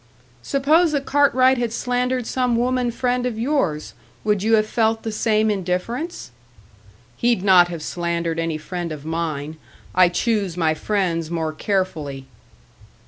"Suppose that Cartwright had slandered some woman friend of yours. Would you have felt the same indifference?" "He'd not have slandered any friend of mine; I choose my friends more carefully."